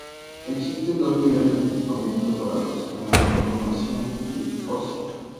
Existen dos niveles de equipamiento para los sistemas de información y ocio.